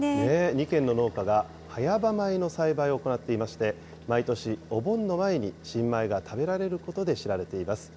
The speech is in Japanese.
２軒の農家が早場米の栽培を行っていまして、毎年、お盆の前に新米が食べられることで知られています。